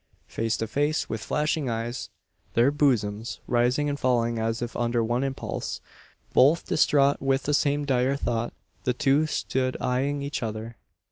Face to face, with flashing eyes, their bosoms rising and falling as if under one impulse both distraught with the same dire thought the two stood eyeing each other.